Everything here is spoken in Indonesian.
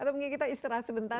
atau mungkin kita istirahat sebentar